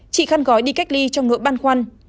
chị khăn gói đi cách ly trong nỗi băn khoăn